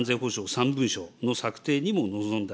３文書の策定にも臨んだ